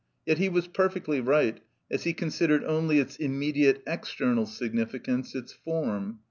Yet he was perfectly right, as he considered only its immediate external significance, its form.